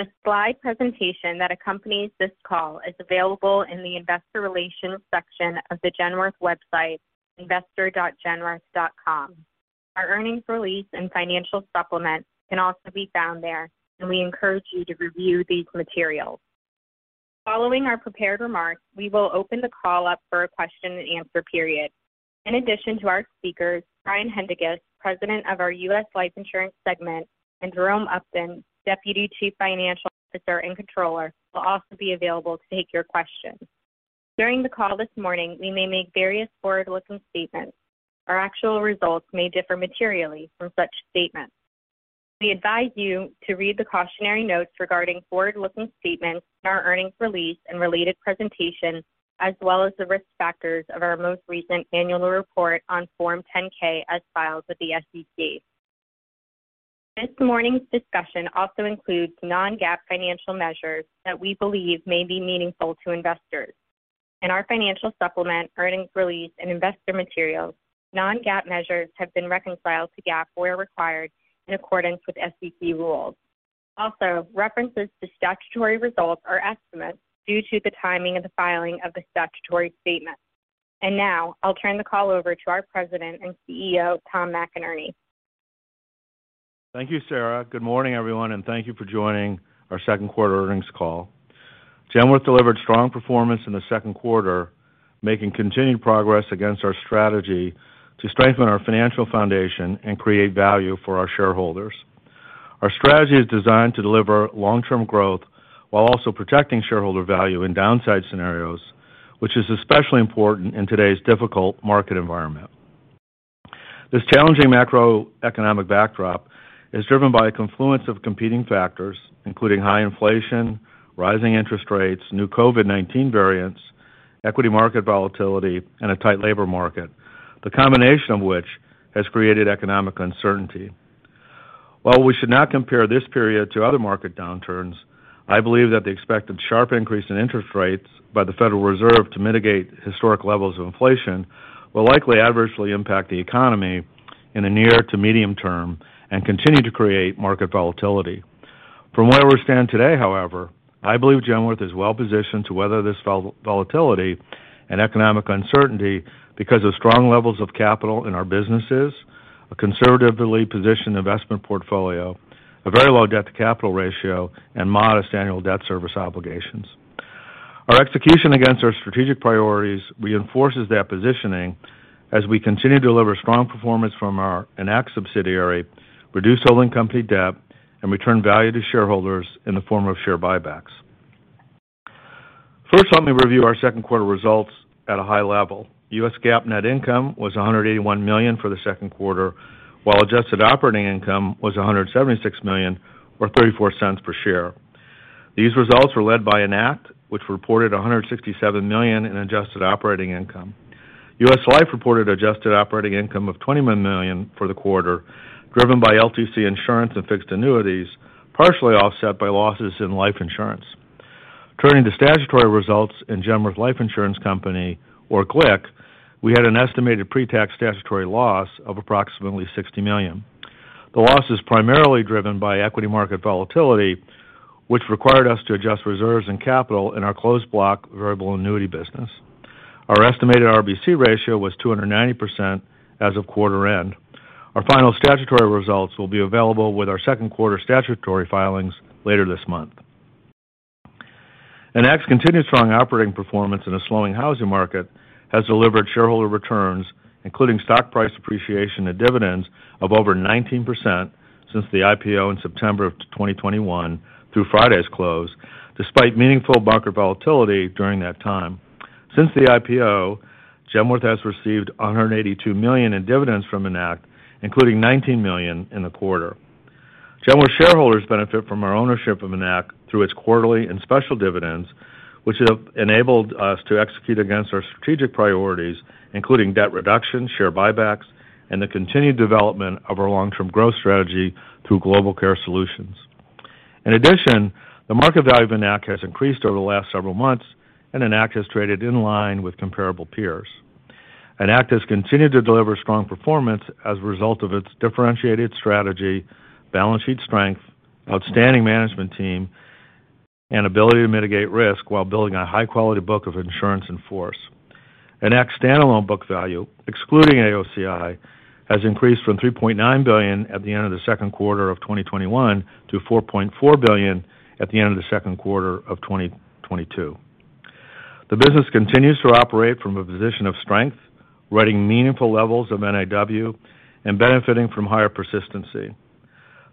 The slide presentation that accompanies this call is available in the Investor Relations section of the Genworth website, investor.genworth.com. Our earnings release and financial supplement can also be found there, and we encourage you to review these materials. Following our prepared remarks, we will open the call up for a question-and-answer period. In addition to our speakers, Brian Haendiges, President of our U.S. Life Insurance segment, and Jerome Upton, Deputy Chief Financial Officer and Controller, will also be available to take your questions. During the call this morning, we may make various forward-looking statements. Our actual results may differ materially from such statements. We advise you to read the cautionary notes regarding forward-looking statements in our earnings release and related presentation, as well as the risk factors of our most recent annual report on Form 10-K as filed with the SEC. This morning's discussion also includes Non-GAAP financial measures that we believe may be meaningful to investors. In our financial supplement, earnings release, and investor materials, Non-GAAP measures have been reconciled to GAAP where required in accordance with SEC rules. Also, references to statutory results are estimates due to the timing of the filing of the statutory statement. Now I'll turn the call over to our President and CEO, Tom McInerney. Thank you, Sarah. Good morning, everyone, and thank you for joining our second quarter earnings call. Genworth delivered strong performance in the second quarter, making continued progress against our strategy to strengthen our financial foundation and create value for our shareholders. Our strategy is designed to deliver long-term growth while also protecting shareholder value in downside scenarios, which is especially important in today's difficult market environment. This challenging macroeconomic backdrop is driven by a confluence of competing factors, including high inflation, rising interest rates, new COVID-19 variants, equity market volatility, and a tight labor market, the combination of which has created economic uncertainty. While we should not compare this period to other market downturns, I believe that the expected sharp increase in interest rates by the Federal Reserve to mitigate historic levels of inflation will likely adversely impact the economy in the near to medium term and continue to create market volatility. From where we stand today, however, I believe Genworth is well-positioned to weather this volatility and economic uncertainty because of strong levels of capital in our businesses, a conservatively positioned investment portfolio, a very low debt-to-capital ratio, and modest annual debt service obligations. Our execution against our strategic priorities reinforces that positioning as we continue to deliver strong performance from our Enact subsidiary, reduce holding company debt, and return value to shareholders in the form of share buybacks. First, let me review our second quarter results at a high level. U.S. GAAP net income was $181 million for the second quarter, while adjusted operating income was $176 million or $0.34 per share. These results were led by Enact, which reported $167 million in adjusted operating income. U.S. Life reported adjusted operating income of $20 million for the quarter, driven by LTC insurance and fixed annuities, partially offset by losses in life insurance. Turning to statutory results in Genworth Life Insurance Company, or GLIC, we had an estimated pretax statutory loss of approximately $60 million. The loss is primarily driven by equity market volatility, which required us to adjust reserves and capital in our closed block variable annuity business. Our estimated RBC ratio was 290% as of quarter end. Our final statutory results will be available with our second quarter statutory filings later this month. Enact's continued strong operating performance in a slowing housing market has delivered shareholder returns, including stock price appreciation and dividends of over 19% since the IPO in September of 2021 through Friday's close, despite meaningful market volatility during that time. Since the IPO, Genworth has received $182 million in dividends from Enact, including $19 million in the quarter. Genworth shareholders benefit from our ownership of Enact through its quarterly and special dividends, which have enabled us to execute against our strategic priorities, including debt reduction, share buybacks, and the continued development of our long-term growth strategy through Global Care Solutions. In addition, the market value of Enact has increased over the last several months, and Enact has traded in line with comparable peers. Enact has continued to deliver strong performance as a result of its differentiated strategy, balance sheet strength, outstanding management team, and ability to mitigate risk while building a high-quality book of insurance in force. Enact's standalone book value, excluding AOCI, has increased from $3.9 billion at the end of the second quarter of 2021 to $4.4 billion at the end of the second quarter of 2022. The business continues to operate from a position of strength, writing meaningful levels of NIW and benefiting from higher persistency.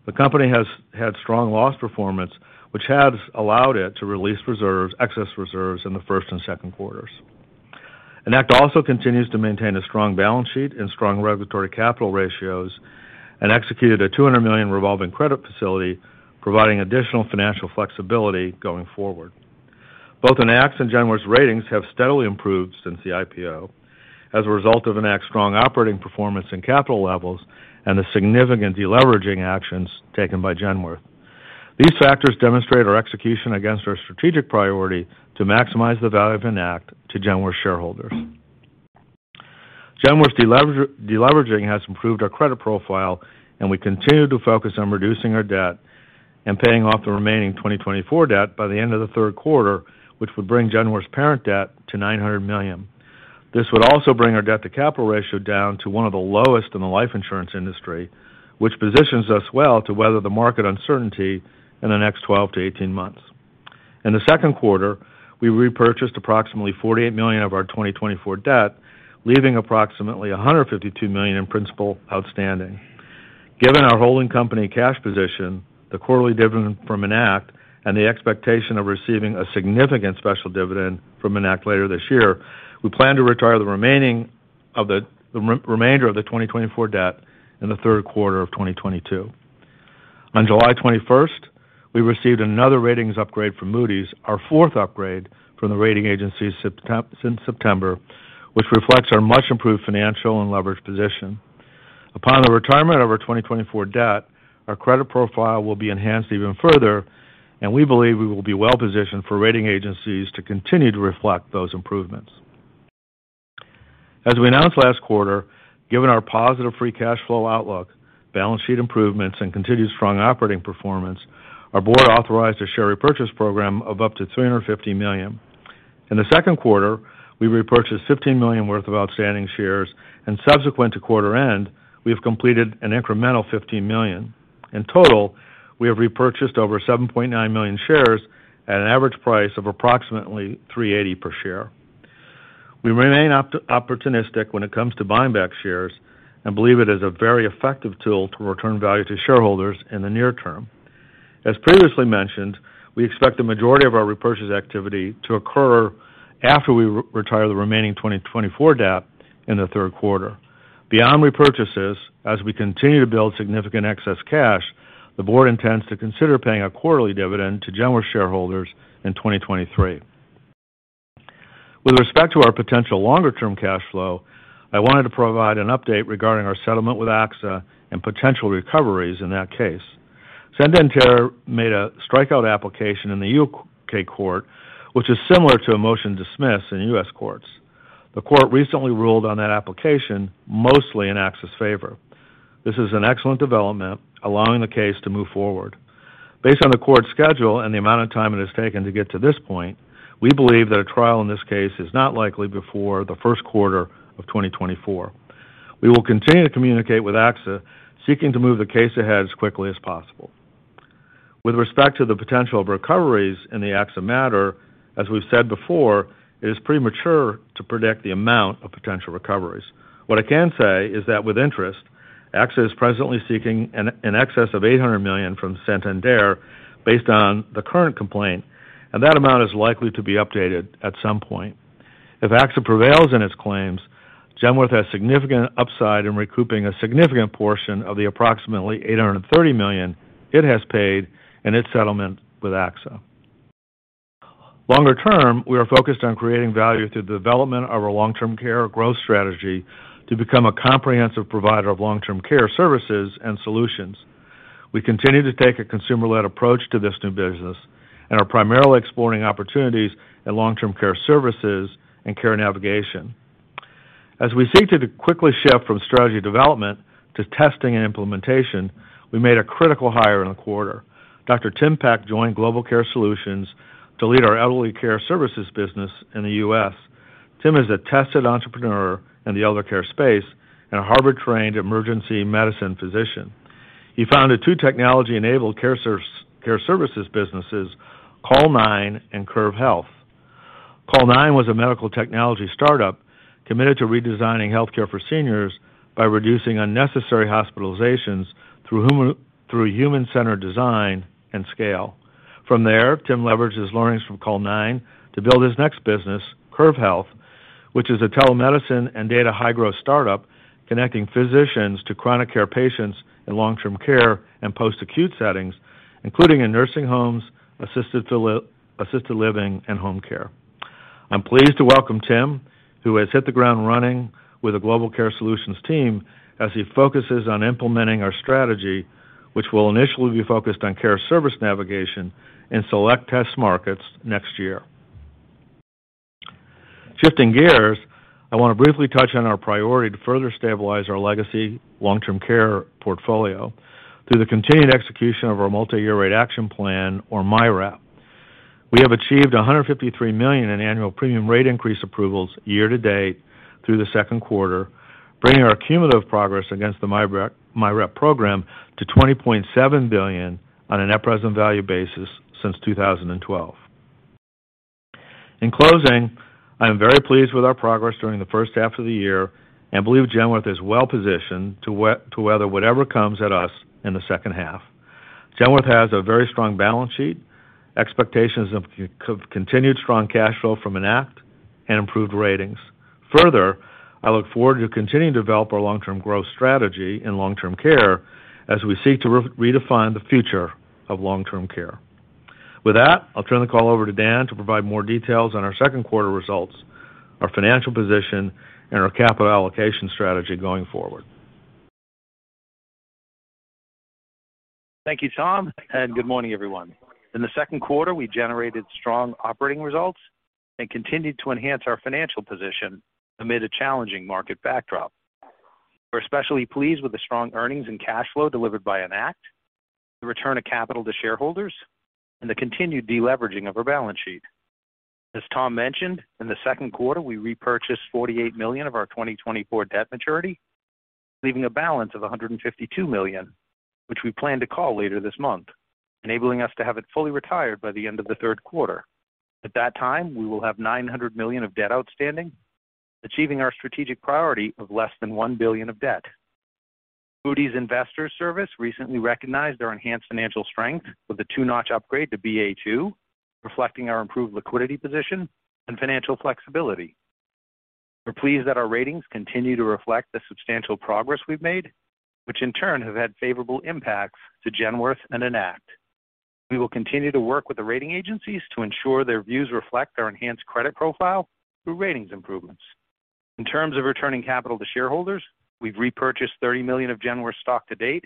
The company has had strong loss performance, which has allowed it to release reserves, excess reserves in the first and second quarters. Enact also continues to maintain a strong balance sheet and strong regulatory capital ratios and executed a $200 million revolving credit facility, providing additional financial flexibility going forward. Both Enact's and Genworth's ratings have steadily improved since the IPO as a result of Enact's strong operating performance and capital levels and the significant deleveraging actions taken by Genworth. These factors demonstrate our execution against our strategic priority to maximize the value of Enact to Genworth shareholders. Genworth's deleveraging has improved our credit profile, and we continue to focus on reducing our debt and paying off the remaining 2024 debt by the end of the third quarter, which would bring Genworth's parent debt to $900 million. This would also bring our debt to capital ratio down to one of the lowest in the life insurance industry, which positions us well to weather the market uncertainty in the next 12 months-18 months. In the second quarter, we repurchased approximately $48 million of our 2024 debt, leaving approximately $152 million in principal outstanding. Given our holding company cash position, the quarterly dividend from Enact, and the expectation of receiving a significant special dividend from Enact later this year, we plan to retire the remainder of the 2024 debt in the third quarter of 2022. On July 21st, we received another ratings upgrade from Moody's, our fourth upgrade from the rating agency since September, which reflects our much-improved financial and leverage position. Upon the retirement of our 2024 debt, our credit profile will be enhanced even further, and we believe we will be well-positioned for rating agencies to continue to reflect those improvements. As we announced last quarter, given our positive free cash flow outlook, balance sheet improvements, and continued strong operating performance, our board authorized a share repurchase program of up to $350 million. In the second quarter, we repurchased $15 million worth of outstanding shares, and subsequent to quarter end, we have completed an incremental $15 million. In total, we have repurchased over 7.9 million shares at an average price of approximately $3.80 per share. We remain opportunistic when it comes to buying back shares and believe it is a very effective tool to return value to shareholders in the near term. As previously mentioned, we expect the majority of our repurchase activity to occur after we retire the remaining 2024 debt in the third quarter. Beyond repurchases, as we continue to build significant excess cash, the board intends to consider paying a quarterly dividend to Genworth shareholders in 2023. With respect to our potential longer term cash flow, I wanted to provide an update regarding our settlement with AXA and potential recoveries in that case. Santander made a strikeout application in the U.K. court, which is similar to a motion to dismiss in U.S. courts. The court recently ruled on that application mostly in AXA's favor. This is an excellent development, allowing the case to move forward. Based on the court's schedule and the amount of time it has taken to get to this point, we believe that a trial in this case is not likely before the first quarter of 2024. We will continue to communicate with AXA, seeking to move the case ahead as quickly as possible. With respect to the potential of recoveries in the AXA matter, as we've said before, it is premature to predict the amount of potential recoveries. What I can say is that with interest, AXA is presently seeking an excess of $800 million from Santander based on the current complaint, and that amount is likely to be updated at some point. If AXA prevails in its claims, Genworth has significant upside in recouping a significant portion of the approximately $830 million it has paid in its settlement with AXA. Longer term, we are focused on creating value through the development of our long-term care growth strategy to become a comprehensive provider of long-term care services and solutions. We continue to take a consumer-led approach to this new business and are primarily exploring opportunities in long-term care services and care navigation. As we seek to quickly shift from strategy development to testing and implementation, we made a critical hire in the quarter. Dr. Tim Peck joined Global Care Solutions to lead our elderly care services business in the U.S. Tim is a tested entrepreneur in the elder care space and a Harvard-trained emergency medicine physician. He founded two technology-enabled care services businesses, Call9 and Curve Health. Call9 was a medical technology startup committed to redesigning healthcare for seniors by reducing unnecessary hospitalizations through human-centered design and scale. From there, Tim leveraged his learnings from Call9 to build his next business, Curve Health, which is a telemedicine and data high-growth startup connecting physicians to chronic care patients in long-term care and post-acute settings, including in nursing homes, assisted living, and home care. I'm pleased to welcome Tim, who has hit the ground running with the Global Care Solutions team as he focuses on implementing our strategy, which will initially be focused on care service navigation in select test markets next year. Shifting gears, I want to briefly touch on our priority to further stabilize our legacy long-term care portfolio through the continued execution of our multiyear rate action plan or MYRAP. We have achieved $153 million in annual premium rate increase approvals year to date through the second quarter, bringing our cumulative progress against the MYRAP program to $20.7 billion on a net present value basis since 2012. In closing, I am very pleased with our progress during the first half of the year and believe Genworth is well positioned to weather whatever comes at us in the second half. Genworth has a very strong balance sheet, expectations of continued strong cash flow from Enact, and improved ratings. Further, I look forward to continuing to develop our long-term growth strategy in long-term care as we seek to redefine the future of long-term care. With that, I'll turn the call over to Dan to provide more details on our second quarter results, our financial position, and our capital allocation strategy going forward. Thank you, Tom, and good morning, everyone. In the second quarter, we generated strong operating results and continued to enhance our financial position amid a challenging market backdrop. We're especially pleased with the strong earnings and cash flow delivered by Enact, the return of capital to shareholders, and the continued deleveraging of our balance sheet. As Tom mentioned, in the second quarter, we repurchased $48 million of our 2024 debt maturity, leaving a balance of $152 million, which we plan to call later this month, enabling us to have it fully retired by the end of the third quarter. At that time, we will have $900 million of debt outstanding, achieving our strategic priority of less than $1 billion of debt. Moody's Investors Service recently recognized our enhanced financial strength with a two-notch upgrade to Ba2, reflecting our improved liquidity position and financial flexibility. We're pleased that our ratings continue to reflect the substantial progress we've made, which in turn have had favorable impacts to Genworth and Enact. We will continue to work with the rating agencies to ensure their views reflect our enhanced credit profile through ratings improvements. In terms of returning capital to shareholders, we've repurchased $30 million of Genworth stock to date,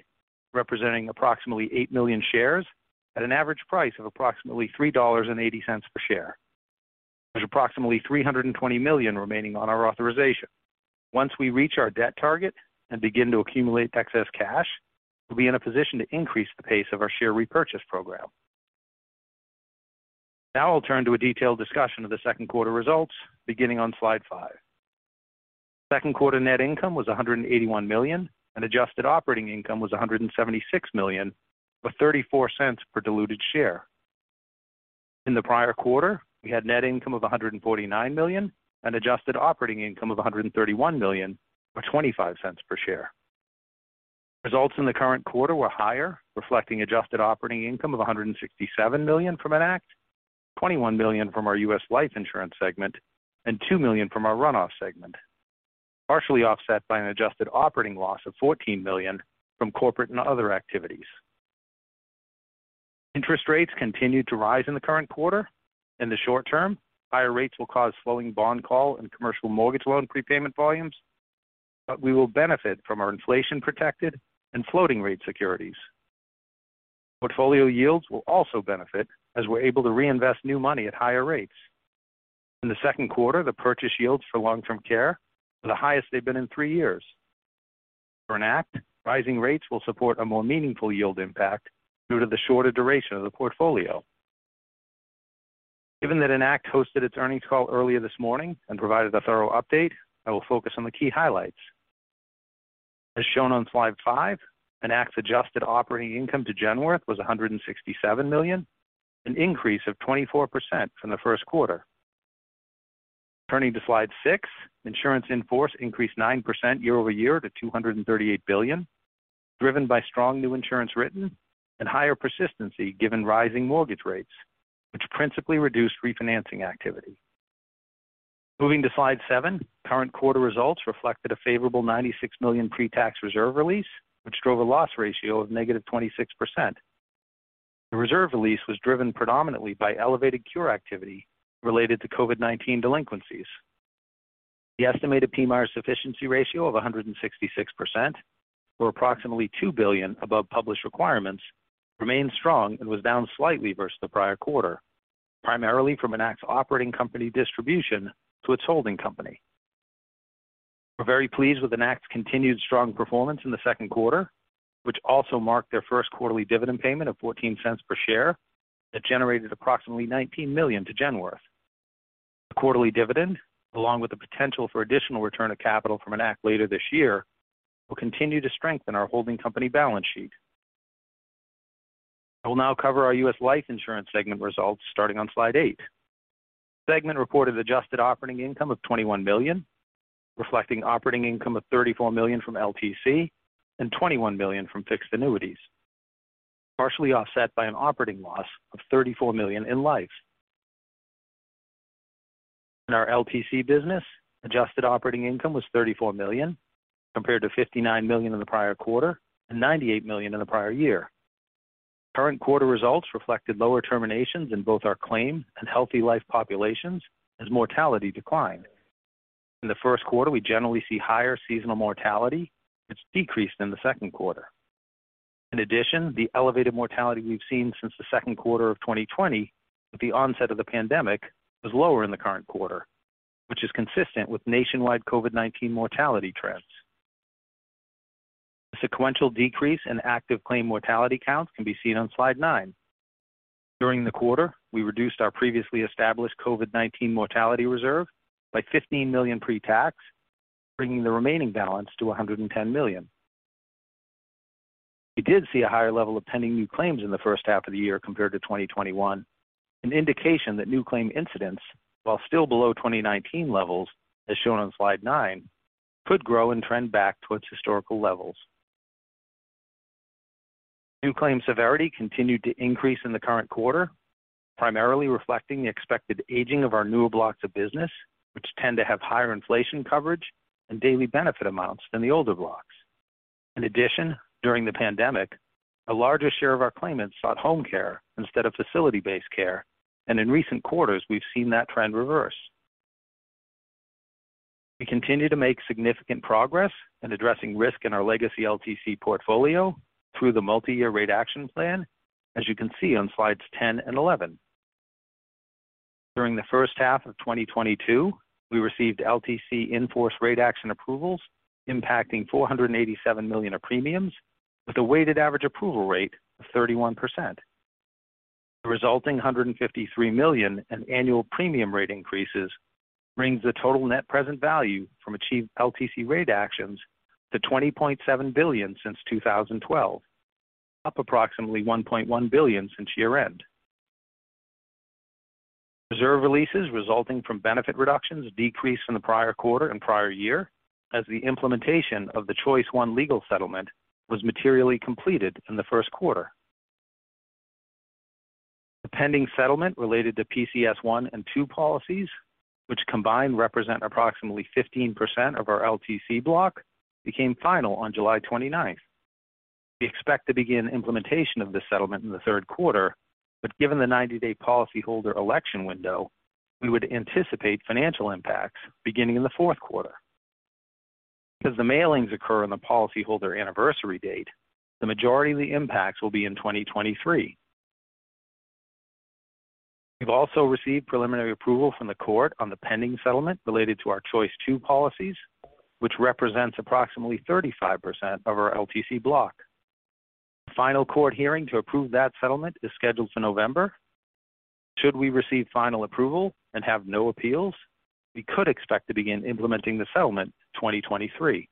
representing approximately 8 million shares at an average price of approximately $3.80 per share. There's approximately $320 million remaining on our authorization. Once we reach our debt target and begin to accumulate excess cash, we'll be in a position to increase the pace of our share repurchase program. Now I'll turn to a detailed discussion of the second quarter results beginning on slide five. Second quarter net income was $181 million, and adjusted operating income was $176 million, or $0.34 per diluted share. In the prior quarter, we had net income of $149 million and adjusted operating income of $131 million or $0.25 per share. Results in the current quarter were higher, reflecting adjusted operating income of $167 million from Enact, $21 million from our U.S. Life Insurance segment, and $2 million from our Run-off segment, partially offset by an adjusted operating loss of $14 million from corporate and other activities. Interest rates continued to rise in the current quarter. In the short term, higher rates will cause slowing bond call and commercial mortgage loan prepayment volumes, but we will benefit from our inflation-protected and floating-rate securities. Portfolio yields will also benefit as we're able to reinvest new money at higher rates. In the second quarter, the purchase yields for long-term care were the highest they've been in three years. For Enact, rising rates will support a more meaningful yield impact due to the shorter duration of the portfolio. Given that Enact hosted its earnings call earlier this morning and provided a thorough update, I will focus on the key highlights. As shown on slide five, Enact's adjusted operating income to Genworth was $167 million, an increase of 24% from the first quarter. Turning to slide six, insurance in force increased 9% year-over-year to $238 billion, driven by strong new insurance written and higher persistency given rising mortgage rates, which principally reduced refinancing activity. Moving to slide seven, current quarter results reflected a favorable $96 million pre-tax reserve release, which drove a loss ratio of -26%. The reserve release was driven predominantly by elevated cure activity related to COVID-19 delinquencies. The estimated PMIER sufficiency ratio of 166%, or approximately $2 billion above published requirements, remained strong and was down slightly versus the prior quarter, primarily from Enact's operating company distribution to its holding company. We're very pleased with Enact's continued strong performance in the second quarter, which also marked their first quarterly dividend payment of $0.14 per share that generated approximately $19 million to Genworth. The quarterly dividend, along with the potential for additional return of capital from Enact later this year, will continue to strengthen our holding company balance sheet. I will now cover our U.S. Life Insurance segment results starting on slide eight. The segment reported adjusted operating income of $21 million, reflecting operating income of $34 million from LTC and $21 million from fixed annuities, partially offset by an operating loss of $34 million in Life. In our LTC business, adjusted operating income was $34 million, compared to $59 million in the prior quarter and $98 million in the prior year. Current quarter results reflected lower terminations in both our claim and healthy life populations as mortality declined. In the first quarter, we generally see higher seasonal mortality, which decreased in the second quarter. In addition, the elevated mortality we've seen since the second quarter of 2020 with the onset of the pandemic was lower in the current quarter, which is consistent with nationwide COVID-19 mortality trends. The sequential decrease in active claim mortality counts can be seen on slide nine. During the quarter, we reduced our previously established COVID-19 mortality reserve by $15 million pre-tax, bringing the remaining balance to $110 million. We did see a higher level of pending new claims in the first half of the year compared to 2021, an indication that new claim incidents, while still below 2019 levels, as shown on slide nine, could grow and trend back towards historical levels. New claim severity continued to increase in the current quarter, primarily reflecting the expected aging of our newer blocks of business, which tend to have higher inflation coverage and daily benefit amounts than the older blocks. In addition, during the pandemic, a larger share of our claimants sought home care instead of facility-based care, and in recent quarters, we've seen that trend reverse. We continue to make significant progress in addressing risk in our legacy LTC portfolio through the multi-year rate action plan, as you can see on slides 10 and 11. During the first half of 2022, we received LTC in-force rate action approvals impacting $487 million of premiums with a weighted average approval rate of 31%. The resulting $153 million in annual premium rate increases brings the total net present value from achieved LTC rate actions to $20.7 billion since 2012, up approximately $1.1 billion since year-end. Reserve releases resulting from benefit reductions decreased from the prior quarter and prior year as the implementation of the Choice 1 legal settlement was materially completed in the first quarter. The pending settlement related to PCS I and PCS II policies, which combined represent approximately 15% of our LTC block, became final on July 29. We expect to begin implementation of this settlement in the third quarter, but given the 90-day policyholder election window, we would anticipate financial impacts beginning in the fourth quarter. Because the mailings occur on the policyholder anniversary date, the majority of the impacts will be in 2023. We've also received preliminary approval from the court on the pending settlement related to our Choice 2 policies, which represents approximately 35% of our LTC block. The final court hearing to approve that settlement is scheduled for November. Should we receive final approval and have no appeals, we could expect to begin implementing the settlement in 2023.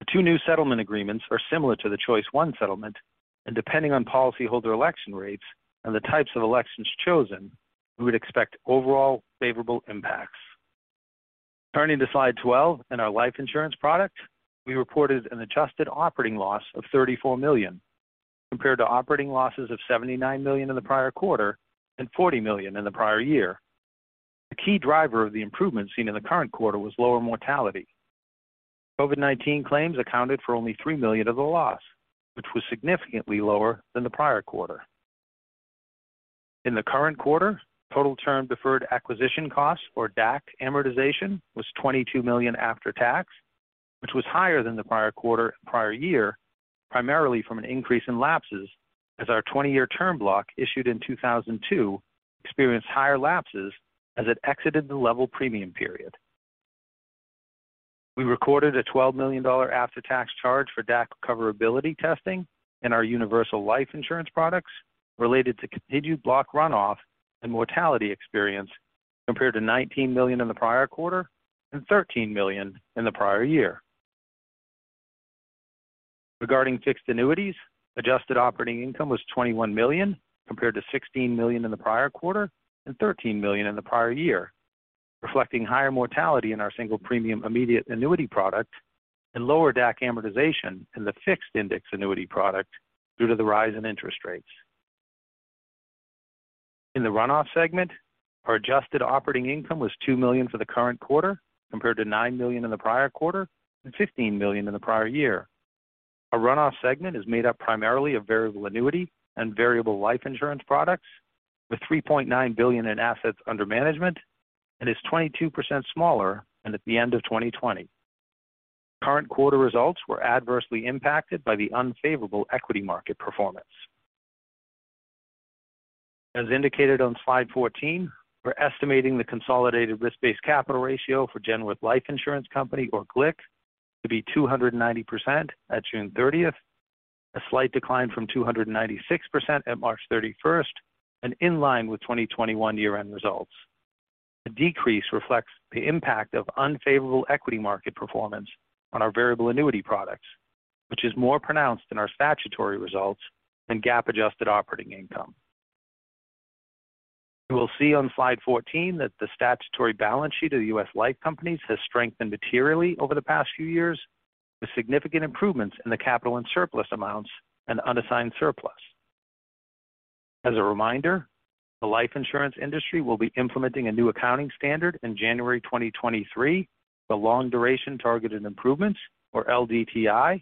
The two new settlement agreements are similar to the Choice 1 settlement, and depending on policyholder election rates and the types of elections chosen, we would expect overall favorable impacts. Turning to slide 12 in our life insurance product, we reported an adjusted operating loss of $34 million, compared to operating losses of $79 million in the prior quarter and $40 million in the prior year. The key driver of the improvement seen in the current quarter was lower mortality. COVID-19 claims accounted for only $3 million of the loss, which was significantly lower than the prior quarter. In the current quarter, total term deferred acquisition costs or DAC amortization was $22 million after tax, which was higher than the prior quarter and prior year, primarily from an increase in lapses as our 20-year term block issued in 2002 experienced higher lapses as it exited the level premium period. We recorded a $12 million after-tax charge for DAC recoverability testing in our universal life insurance products related to continued block runoff and mortality experience, compared to $19 million in the prior quarter and $13 million in the prior year. Regarding fixed annuities, adjusted operating income was $21 million, compared to $16 million in the prior quarter and $13 million in the prior year, reflecting higher mortality in our single premium immediate annuity product and lower DAC amortization in the fixed index annuity product due to the rise in interest rates. In the runoff segment, our adjusted operating income was $2 million for the current quarter, compared to $9 million in the prior quarter and $15 million in the prior year. Our runoff segment is made up primarily of variable annuity and variable life insurance products with $3.9 billion in assets under management and is 22% smaller than at the end of 2020. Current quarter results were adversely impacted by the unfavorable equity market performance. As indicated on slide 14, we're estimating the consolidated risk-based capital ratio for Genworth Life Insurance Company or GLIC to be 290% at June 30th, a slight decline from 296% at March 31st and in line with 2021 year-end results. The decrease reflects the impact of unfavorable equity market performance on our variable annuity products, which is more pronounced in our statutory results than GAAP-adjusted operating income. You will see on slide 14 that the statutory balance sheet of the U.S. Life Companies has strengthened materially over the past few years, with significant improvements in the capital and surplus amounts and unassigned surplus. As a reminder, the life insurance industry will be implementing a new accounting standard in January 2023, the Long-Duration Targeted Improvements, or LDTI,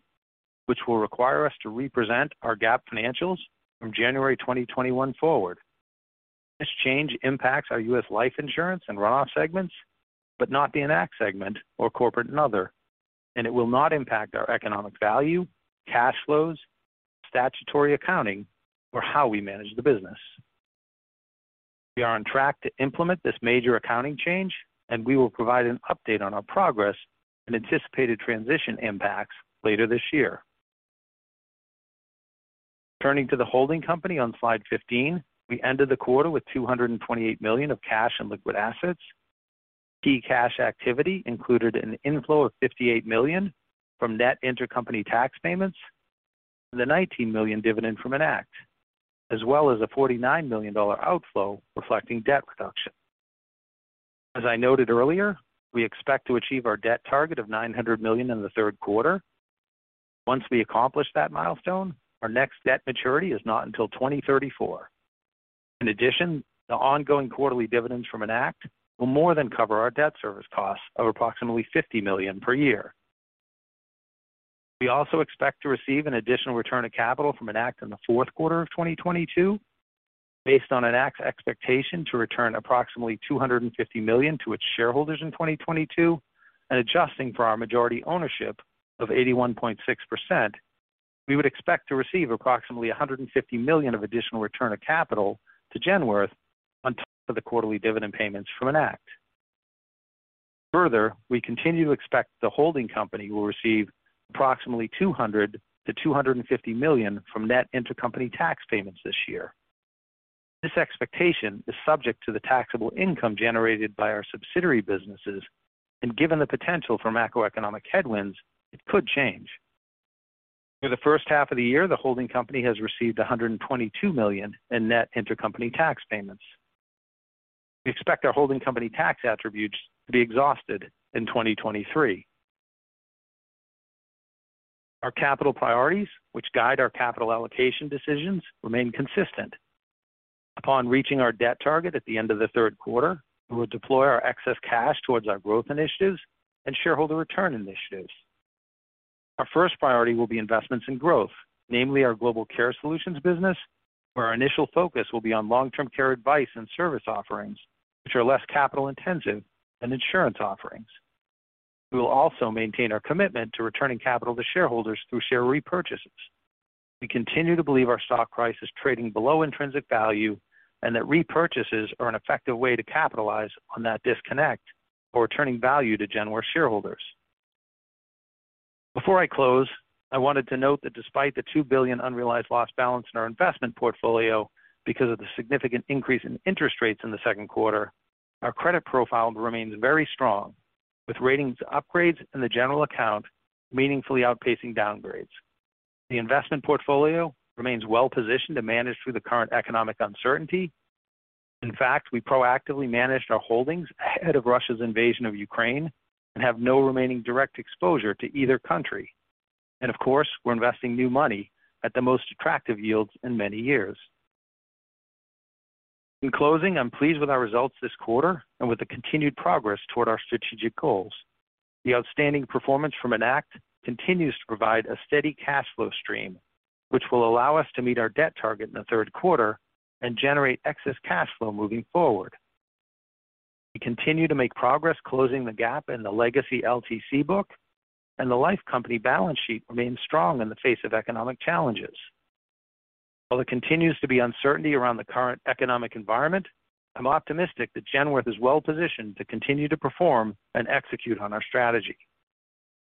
which will require us to represent our GAAP financials from January 2021 forward. This change impacts our U.S. life insurance and runoff segments, but not the Enact segment or corporate and other, and it will not impact our economic value, cash flows, statutory accounting, or how we manage the business. We are on track to implement this major accounting change, and we will provide an update on our progress and anticipated transition impacts later this year. Turning to the holding company on slide 15, we ended the quarter with $228 million of cash and liquid assets. Key cash activity included an inflow of $58 million from net intercompany tax payments and the $19 million dividend from Enact, as well as a $49 million outflow reflecting debt reduction. As I noted earlier, we expect to achieve our debt target of $900 million in the third quarter. Once we accomplish that milestone, our next debt maturity is not until 2034. In addition, the ongoing quarterly dividends from Enact will more than cover our debt service costs of approximately $50 million per year. We also expect to receive an additional return of capital from Enact in the fourth quarter of 2022 based on Enact's expectation to return approximately $250 million to its shareholders in 2022, and adjusting for our majority ownership of 81.6%, we would expect to receive approximately $150 million of additional return of capital to Genworth on top of the quarterly dividend payments from Enact. Further, we continue to expect the holding company will receive approximately $200 million-$250 million from net intercompany tax payments this year. This expectation is subject to the taxable income generated by our subsidiary businesses, and given the potential for macroeconomic headwinds, it could change. For the first half of the year, the holding company has received $122 million in net intercompany tax payments. We expect our holding company tax attributes to be exhausted in 2023. Our capital priorities, which guide our capital allocation decisions, remain consistent. Upon reaching our debt target at the end of the third quarter, we will deploy our excess cash towards our growth initiatives and shareholder return initiatives. Our first priority will be investments in growth, namely our Global Care Solutions business, where our initial focus will be on long-term care advice and service offerings, which are less capital-intensive than insurance offerings. We will also maintain our commitment to returning capital to shareholders through share repurchases. We continue to believe our stock price is trading below intrinsic value and that repurchases are an effective way to capitalize on that disconnect or returning value to Genworth shareholders. Before I close, I wanted to note that despite the $2 billion unrealized loss balance in our investment portfolio because of the significant increase in interest rates in the second quarter, our credit profile remains very strong, with ratings upgrades in the general account meaningfully outpacing downgrades. The investment portfolio remains well-positioned to manage through the current economic uncertainty. In fact, we proactively managed our holdings ahead of Russia's invasion of Ukraine and have no remaining direct exposure to either country. Of course, we're investing new money at the most attractive yields in many years. In closing, I'm pleased with our results this quarter and with the continued progress toward our strategic goals. The outstanding performance from Enact continues to provide a steady cash flow stream, which will allow us to meet our debt target in the third quarter and generate excess cash flow moving forward. We continue to make progress closing the gap in the legacy LTC book, and the life company balance sheet remains strong in the face of economic challenges. While there continues to be uncertainty around the current economic environment, I'm optimistic that Genworth is well-positioned to continue to perform and execute on our strategy.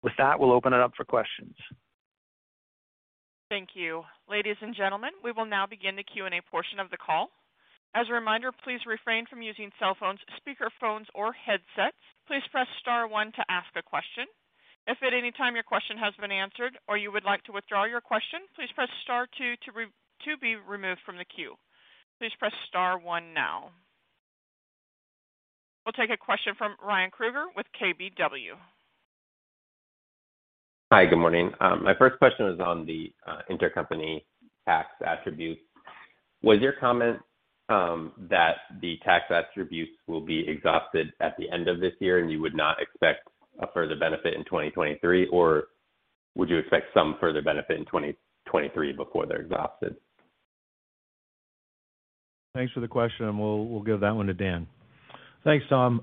With that, we'll open it up for questions. Thank you. Ladies and gentlemen, we will now begin the Q&A portion of the call. As a reminder, please refrain from using cell phones, speaker phones or headsets. Please press star one to ask a question. If at any time your question has been answered or you would like to withdraw your question, please press star two to be removed from the queue. Please press star one now. We'll take a question from Ryan Krueger with KBW. Hi, good morning. My first question is on the intercompany tax attribute. Was your comment that the tax attributes will be exhausted at the end of this year and you would not expect a further benefit in 2023? Or would you expect some further benefit in 2023 before they're exhausted? Thanks for the question. We'll give that one to Dan. Thanks, Tom.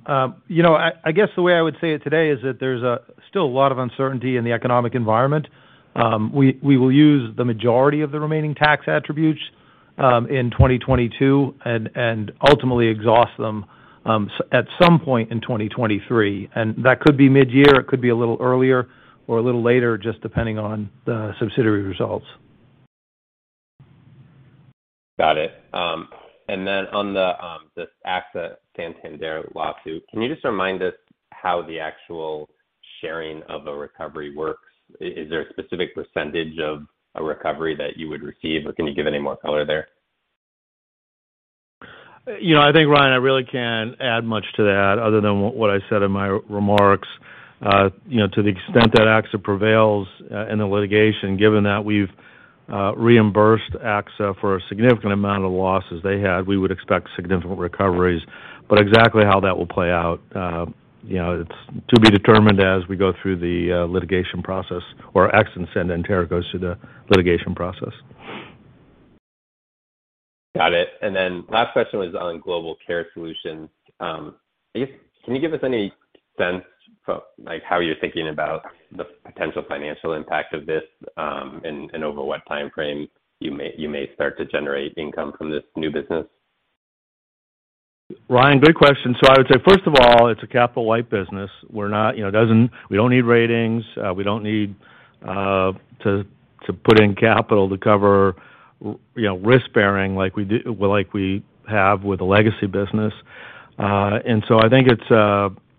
You know, I guess the way I would say it today is that there's still a lot of uncertainty in the economic environment. We will use the majority of the remaining tax attributes in 2022 and ultimately exhaust them at some point in 2023. That could be mid-year, it could be a little earlier or a little later, just depending on the subsidiary results. Got it. On the AXA Santander lawsuit, can you just remind us how the actual sharing of a recovery works? Is there a specific percentage of a recovery that you would receive or can you give any more color there? You know, I think, Ryan, I really can't add much to that other than what I said in my remarks. You know, to the extent that AXA prevails in the litigation, given that we've reimbursed AXA for a significant amount of losses they had, we would expect significant recoveries. Exactly how that will play out, you know, it's to be determined as we go through the litigation process or AXA and Santander goes through the litigation process. Got it. Then last question was on Global Care Solutions. I guess can you give us any sense for like how you're thinking about the potential financial impact of this, and over what time frame you may start to generate income from this new business? Ryan, good question. I would say, first of all, it's a capital light business. We're not, you know, we don't need ratings. We don't need to put in capital to cover, you know, risk-bearing like we have with the legacy business. I think it's,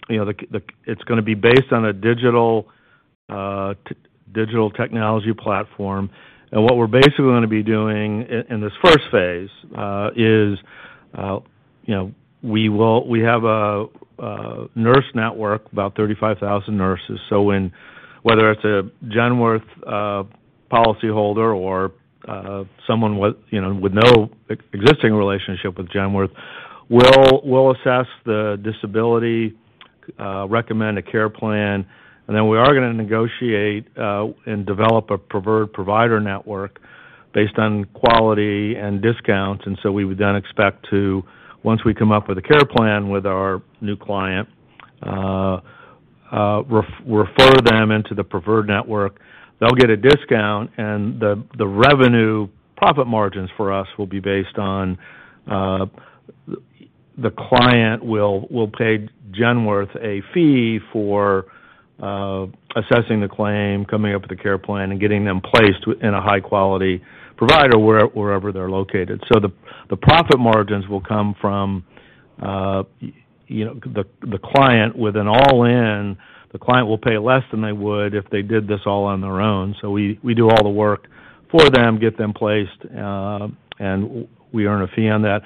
you know, it's gonna be based on a digital technology platform. What we're basically gonna be doing in this first phase is, you know, we have a nurse network, about 35,000 nurses. Whether it's a Genworth policyholder or someone with, you know, with no existing relationship with Genworth will assess the disability, recommend a care plan, and then we are gonna negotiate and develop a preferred provider network based on quality and discounts. We would then expect to, once we come up with a care plan with our new client, refer them into the preferred network. They'll get a discount, and the revenue profit margins for us will be based on, the client will pay Genworth a fee for assessing the claim, coming up with a care plan, and getting them placed in a high quality provider wherever they're located. The profit margins will come from, you know, the client with an all-in. The client will pay less than they would if they did this all on their own. We do all the work for them, get them placed, and we earn a fee on that.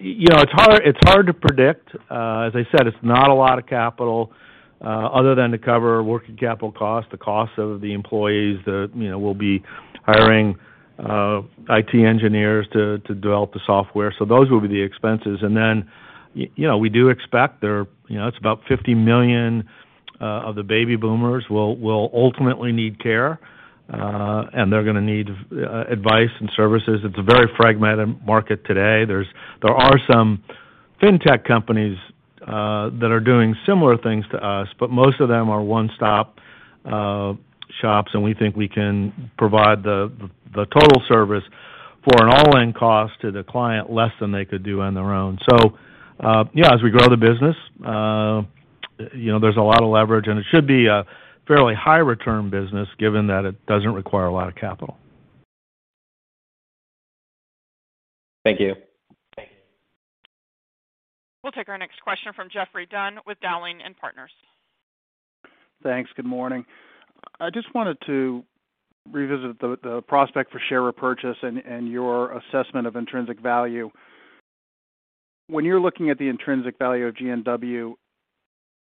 You know, it's hard to predict. As I said, it's not a lot of capital other than to cover working capital costs, the cost of the employees that, you know, we'll be hiring, IT engineers to develop the software. Those will be the expenses. You know, we do expect there, you know, it's about 50 million of the baby boomers will ultimately need care, and they're gonna need advice and services. It's a very fragmented market today. There are some fintech companies that are doing similar things to us, but most of them are one-stop shops, and we think we can provide the total service for an all-in cost to the client, less than they could do on their own. Yeah, as we grow the business, you know, there's a lot of leverage, and it should be a fairly high return business, given that it doesn't require a lot of capital. Thank you. Thank you. We'll take our next question from Geoffrey Dunn with Dowling & Partners. Thanks. Good morning. I just wanted to revisit the prospect for share repurchase and your assessment of intrinsic value. When you're looking at the intrinsic value of GNW,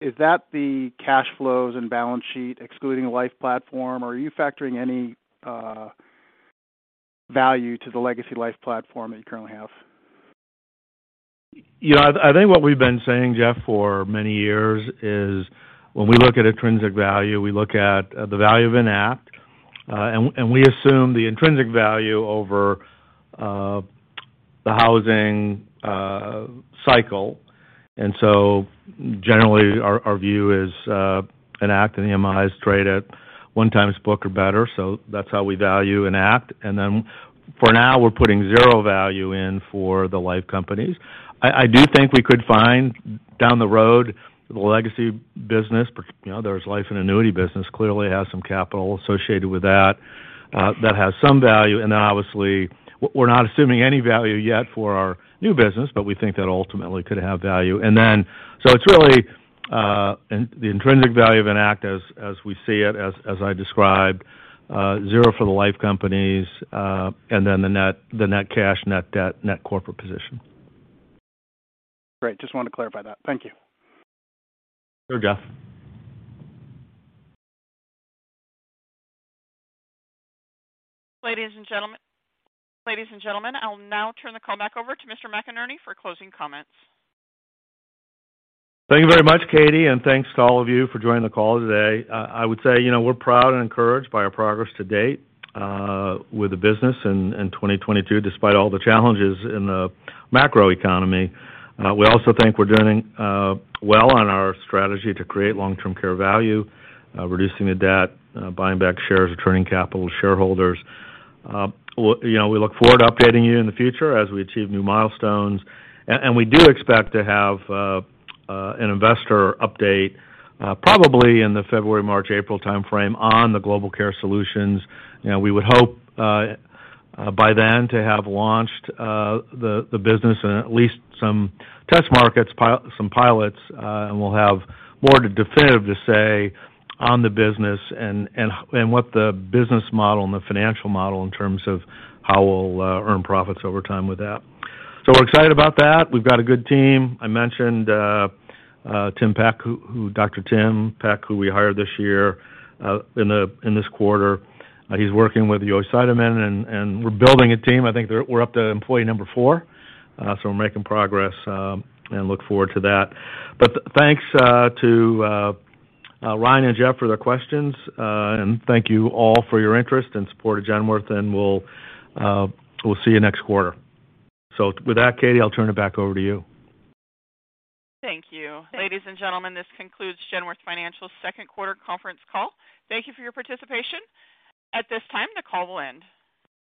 is that the cash flows and balance sheet excluding life platform? Or are you factoring any value to the legacy life platform that you currently have? You know, I think what we've been saying, Jeffrey, for many years is when we look at intrinsic value, we look at the value of Enact and we assume the intrinsic value over the housing cycle. Generally our view is Enact and the MI is traded 1x book or better. So that's how we value Enact. For now we're putting zero value in for the life companies. I do think we could find down the road the legacy business part, you know, there's life and annuity business clearly has some capital associated with that that has some value. Obviously we're not assuming any value yet for our new business, but we think that ultimately could have value. It's really the intrinsic value of Enact as we see it, as I described, zero for the life companies, and then the net cash, net debt, net corporate position. Great. Just wanted to clarify that. Thank you. Sure, Jeff. Ladies and gentlemen, I'll now turn the call back over to Mr. McInerney for closing comments. Thank you very much, Katie, and thanks to all of you for joining the call today. I would say, you know, we're proud and encouraged by our progress to date, with the business in 2022, despite all the challenges in the macro economy. We also think we're doing well on our strategy to create long-term care value, reducing the debt, buying back shares, returning capital to shareholders. You know, we look forward to updating you in the future as we achieve new milestones. We do expect to have an investor update, probably in the February, March, April timeframe on the Global Care Solutions. You know, we would hope by then to have launched the business in at least some test markets, some pilots, and we'll have more definitive to say on the business and what the business model and the financial model in terms of how we'll earn profits over time with that. We're excited about that. We've got a good team. I mentioned Dr. Tim Peck, who we hired this year, in this quarter. He's working with Yossi de Mello and we're building a team. I think we're up to employee number four. We're making progress and look forward to that. Thanks to Ryan and Jeff for their questions. Thank you all for your interest and support of Genworth, and we'll see you next quarter. With that, Katie, I'll turn it back over to you. Thank you. Ladies and gentlemen, this concludes Genworth Financial's second quarter conference call. Thank you for your participation. At this time, the call will end.